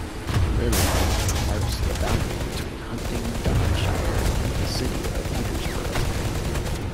The River Nene marks the boundary between Huntingdonshire and the City of Peterborough.